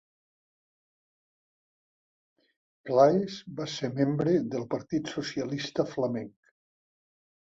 Claes va ser membre del Partit Socialista flamenc.